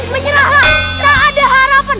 menyerahlah tak ada harapan